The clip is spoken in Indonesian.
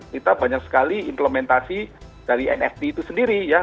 kita banyak sekali implementasi dari nft itu sendiri ya